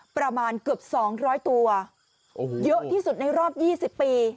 ประมาณเกือบ๒๐๐ตัวเยอะที่สุดในรอบ๒๐ปี